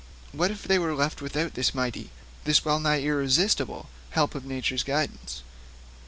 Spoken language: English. What if they were left without this mighty, this well nigh irresistible help of nature's guidance!